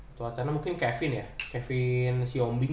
satya wacana mungkin kevin ya kevin siombing